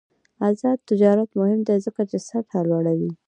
آزاد تجارت مهم دی ځکه چې سطح لوړوي.